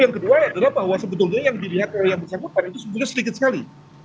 yang kedua adalah bahwa sebetulnya yang dilihat oleh yang bersangkutan itu sebetulnya sedikit sekali